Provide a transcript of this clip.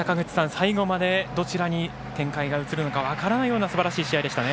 最後までどちらに展開が移るのか分からないようなすばらしい試合でしたね。